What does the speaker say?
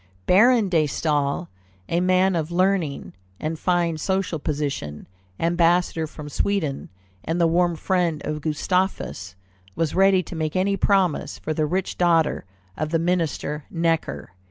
Baron de Staël, a man of learning and fine social position, ambassador from Sweden, and the warm friend of Gustavus, was ready to make any promises for the rich daughter of the Minister Necker.